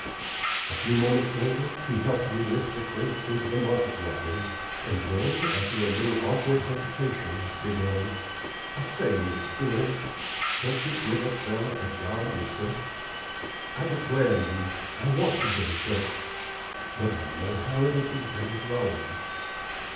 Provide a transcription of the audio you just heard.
A few moments later, he helped me lift the crates into the market wagon; and then, after a little awkward hesitation, began: "I say, Mr. Durham, can't ye give a feller a job yerself? I declar' to you, I want to brace up; but I know how it'll be down at Rollins's.